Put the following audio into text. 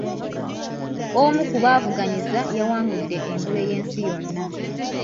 Omu ku baavuganyizza yawangudde engule y'ensi yonna.